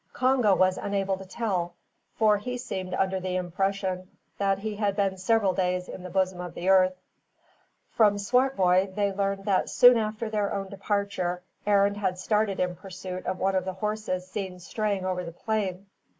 Congo was unable to tell, for he seemed under the impression that he had been several days in the bosom of the earth. From Swartboy they learnt that soon after their own departure Arend had started in pursuit of one of the horses seen straying over the plain.